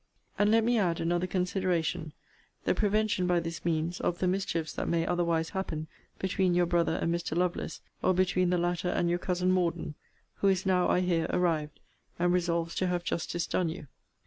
And let me add another consideration: The prevention, by this means, of the mischiefs that may otherwise happen between your brother and Mr. Lovelace, or between the latter and your cousin Morden, who is now, I hear, arrived, and resolves to have justice done you.